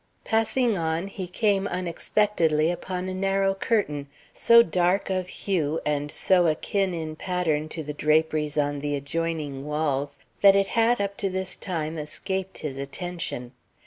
Passing on, he came unexpectedly upon a narrow curtain, so dark of hue and so akin in pattern to the draperies on the adjoining walls that it had up to this time escaped his attention.